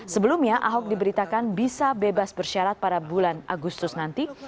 sebelumnya ahok diberitakan bisa bebas bersyarat pada bulan agustus nanti